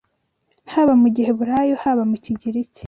Haba mu giheburayo, haba mu kigiriki